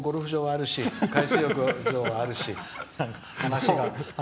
行ったらゴルフ場あるし海水浴場はあるし。